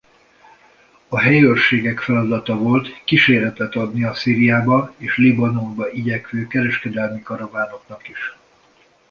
A helyőrségek feladata volt kíséretet adni a Szíriába és Libanonba igyekvő kereskedelmi karavánoknak is.